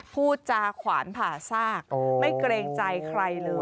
พูดจาขวานผ่าซากไม่เกรงใจใครเลย